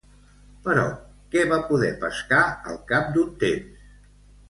Però què va poder pescar al cap d'un temps?